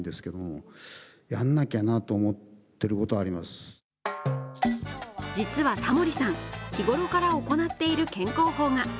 自身の年齢について実はタモリさん、日頃から行っている健康法が。